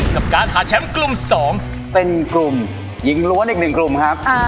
กลุ่มหญิงล้วนอีกหนึ่งกลุ่มครับ